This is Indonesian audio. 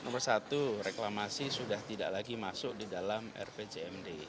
pertama reklamasi sudah tidak lagi masuk di dalam rpjmd